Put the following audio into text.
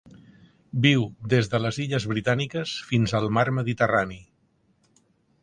Viu des de les Illes Britàniques fins al Mar Mediterrani.